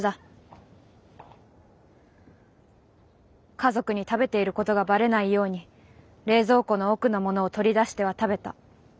「家族に食べていることがばれないように冷蔵庫の奥のものを取り出しては食べた。